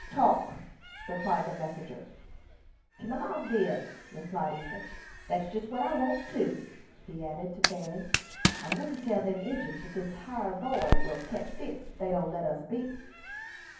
talk!" replied the messenger. "Kim along, then," replied Ethan. "That's jest what I want, too," he added, to Fanny. "I want to tell them Injins that this hyer boy will ketch fits if they don't let us be."